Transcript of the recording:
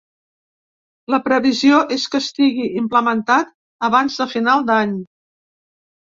La previsió és que estigui implementat abans de final d’any.